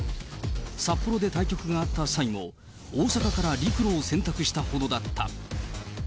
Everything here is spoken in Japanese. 札幌で対局があった際も、大阪から陸路を選択したほどだった。